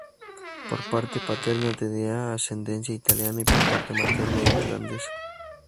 Por parte paterna tenía ascendencia italiana y por parte materna irlandesa.